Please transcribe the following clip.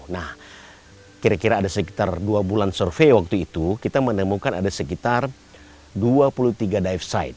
nah kira kira ada sekitar dua bulan survei waktu itu kita menemukan ada sekitar dua puluh tiga dive site